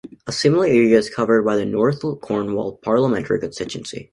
A similar area is covered by the North Cornwall parliamentary constituency.